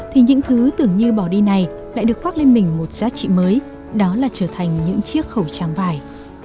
thì những thứ tưởng như bỏ đi này lại được khoác lên mình một giá trị mới đó là trở thành những chiếc khẩu trang vải